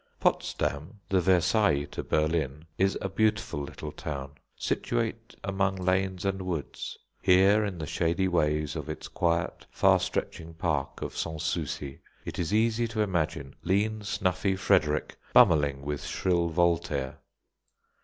Potsdam, the Versailles to Berlin, is a beautiful little town, situate among lakes and woods. Here in the shady ways of its quiet, far stretching park of Sans Souci, it is easy to imagine lean, snuffy Frederick "bummeling" with shrill Voltaire.